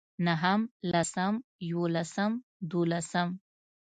نهم لسم يولسم دولسم